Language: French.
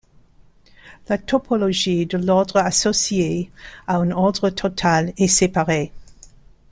La topologie de l'ordre associée à un ordre total est séparée.